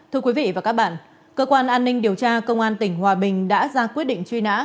thưa quý vị và các bạn cơ quan an ninh điều tra công an tỉnh hòa bình đã ra quyết định truy nã